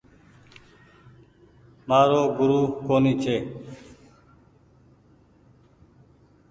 مآرو گورو ڪونيٚ ڇي۔